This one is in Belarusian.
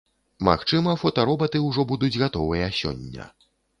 Магчыма, фотаробаты ўжо будуць гатовыя сёння.